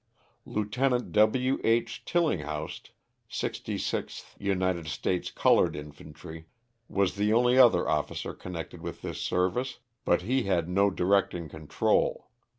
Lieut. W. H, Tillinghast, 66th United States Colored Infantry, was the only other officer connected with this service, but he ha I no direct ing control.